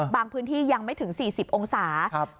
บางพื้นที่ยังไม่ถึง๔๐องศาเซียส